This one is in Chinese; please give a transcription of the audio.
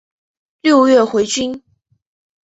六月回军。